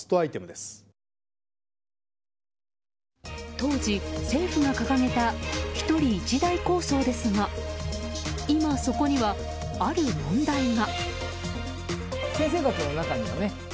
当時、政府が掲げた１人１台構想ですが今そこには、ある問題が。